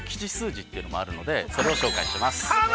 字っていうのもあるのでそれを紹介します。